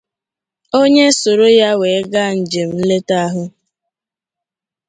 onye soro ya wee gaa njem nleta ahụ